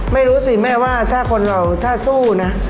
ไม่รู้สิแม่ว่าถ้าคนเราถ้าสู้นะ